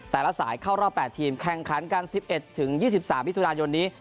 แต่ละสายเข้ารอบ๘ทีมแข่งขันกัน๑๑๒๓มิถุนายนนี้